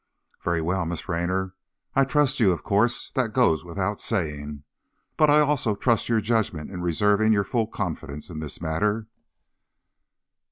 "Very well, Miss Raynor; I trust you, of course, that goes without saying, but I also trust your judgment in reserving your full confidence in this matter."